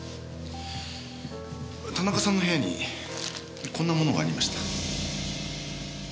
田中さんの部屋にこんな物がありました。